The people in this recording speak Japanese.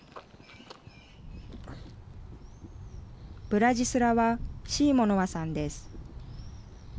ブラジスラワ・シーモノワさんです。